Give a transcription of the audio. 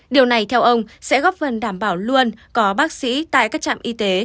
điều này theo ông sẽ góp phần đảm bảo luôn có bác sĩ tại các trạm y tế